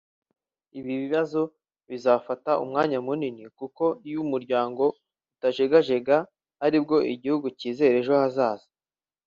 ibi bibazo bizafata umwanya munini kuko iyo umuryango utajegajega ari bwo igihugu cyizera ejo hazaza